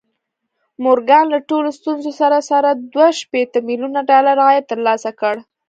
مورګان له ټولو ستونزو سره سره دوه شپېته ميليونه ډالر عايد ترلاسه کړ.